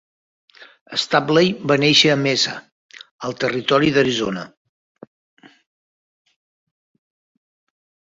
Stapley va néixer a Mesa, al territori d'Arizona.